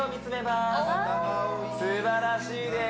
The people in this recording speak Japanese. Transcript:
すばらしいです